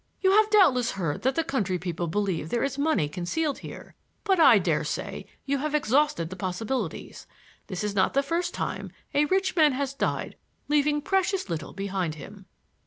You have doubtless heard that the country people believe there is money concealed here,—but I dare say you have exhausted the possibilities. This is not the first time a rich man has died leaving precious little behind him."